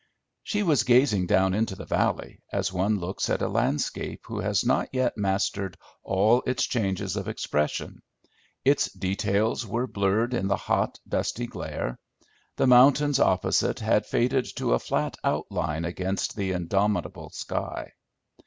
She was gazing down into the valley, as one looks at a landscape who has not yet mastered all its changes of expression; its details were blurred in the hot, dusty glare; the mountains opposite had faded to a flat outline against the indomitable sky.